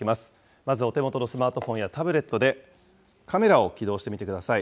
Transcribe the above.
まず、お手元のスマートフォンやタブレットでカメラを起動してみてください。